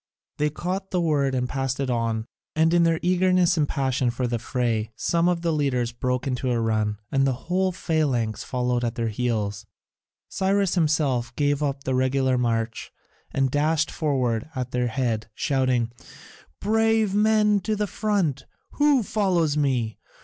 They caught the word and passed it on, and in their eagerness and passion for the fray some of the leaders broke into a run, and the whole phalanx followed at their heels. Cyrus himself gave up the regular march and dashed forward at their head, shouting: "Brave men to the front! Who follows me?